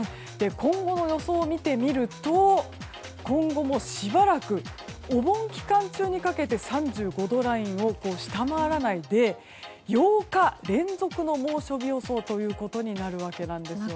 今後の予想を見てみると今後もしばらくお盆期間中にかけて３５度ラインを下回らないで８日連続の猛暑日予想となるわけなんですよね。